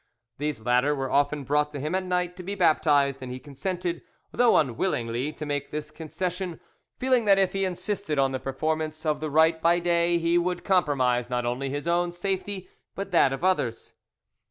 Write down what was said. These latter were often brought to him at night to be baptized, and he consented, though unwillingly, to make this concession, feeling that if he insisted on the performance of the rite by day he would compromise not only his own safety but that of others.